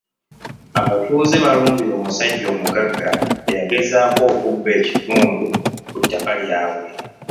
Abatuuze balumbye omusajja omugagga eyagezaako okubba ekitundu ku ttaka lyabwe.